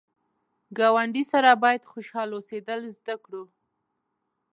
ګاونډي سره باید خوشحال اوسېدل زده کړو